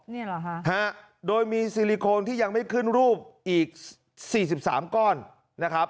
เนี่ยเหรอฮะโดยมีซีลิโคนที่ยังไม่ขึ้นรูปอีกสี่สิบสามก้อนนะครับ